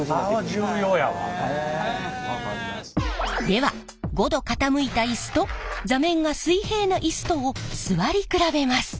では５度傾いたイスと座面が水平なイスとを座り比べます！